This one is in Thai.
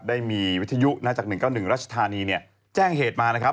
ได้มีวิทยุนะจากหนึ่งเก้าหนึ่งราชธานีเนี่ยแจ้งเหตุมานะครับ